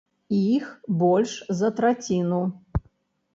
Іх больш за траціну.